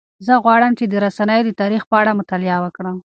زه غواړم چې د رسنیو د تاریخ په اړه مطالعه وکړم.